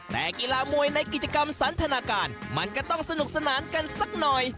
แต่กีฬามวยในกิจกรรมสันทนาการมันก็ต้องสนุกสนานกันสักหน่อย